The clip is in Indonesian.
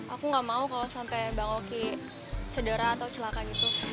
aku gak mau kalau sampai bang oki cedera atau celaka gitu